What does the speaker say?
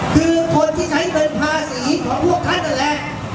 คือคนที่ใช้เงินภาษีของพวกท่านนั่นแหละ